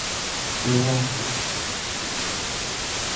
魩仔魚